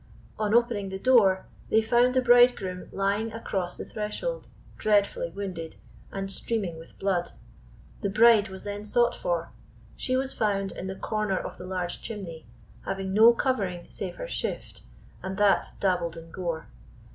On opening the door, they found the bridegroom lying across the threshold, dreadfully wounded, and streaming with blood. The bride was then sought for. She was found in the corner of the large chimney, having no covering save her shift, and that dabbled in gore.